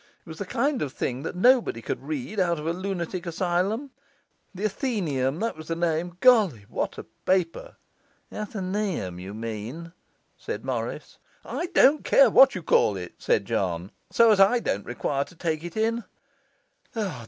It was the kind of thing that nobody could read out of a lunatic asylum. The Athaeneum, that was the name! Golly, what a paper!' 'Athenaeum, you mean,' said Morris. 'I don't care what you call it,' said John, 'so as I don't require to take it in!